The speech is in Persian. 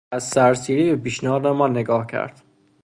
از سرسیری به پیشنهاد ما نگاه کرد.